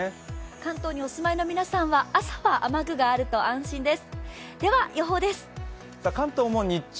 関東にお住まいの皆さんは、朝雨具があると安心です。